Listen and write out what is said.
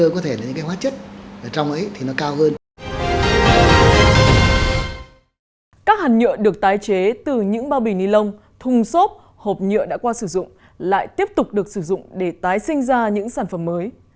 các hạt nhựa được tái chế từ những bao bì ni lông thùng xốp hộp nhựa đã qua sử dụng lại tiếp tục được sử dụng để tái sinh ra những sản phẩm mới